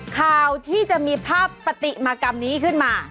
ข่าวที่จะมีภาพปฏิมากรรมนี้ขึ้นมา